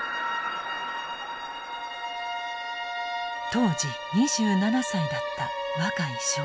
当時２７歳だった若井少尉。